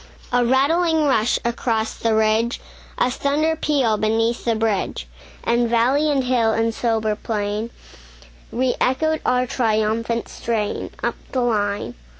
A rattling rush across the ridge, A thunder peal beneath the bridge; And valley and hill and sober plain Re echoed our triumphant strain, Up the line.